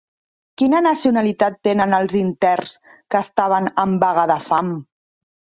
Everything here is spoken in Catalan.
Quina nacionalitat tenen els interns que estaven en vaga de fam?